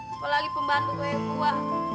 apalagi pembantu gue yang tua